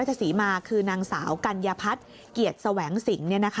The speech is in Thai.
ศรีมาคือนางสาวกัญญพัฒน์เกียรติแสวงสิง